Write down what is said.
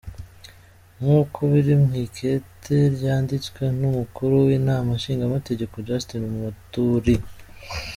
Nk'uko biri mw'ikete ryanditswe n'umukuru w'inama nshingamateka Justin Muturi.